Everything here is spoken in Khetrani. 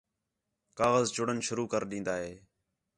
کاغذ چُݨن شروع کر ݙین٘دا ہِے